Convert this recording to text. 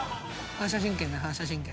反射神経ね反射神経。